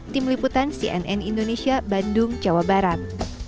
tim liputan cnn indonesia bandung jawa barat